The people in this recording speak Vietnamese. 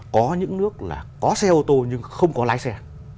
có những nước là có xe ô tô nhưng không có lái xe